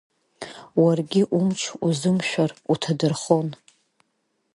Уаргьы, умч узымшәар, уҭадырхон.